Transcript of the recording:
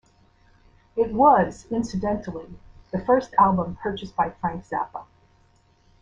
It was, incidentally, the first album purchased by Frank Zappa.